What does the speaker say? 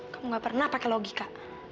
kamu gak pernah pakai logika